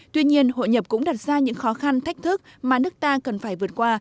tuy nhiên hội nhập cũng đặt ra những khó khăn thách thức mà nước ta cần phải vượt qua